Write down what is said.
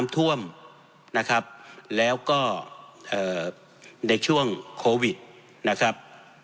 ท่วมนะครับแล้วก็ในช่วงโควิดนะครับ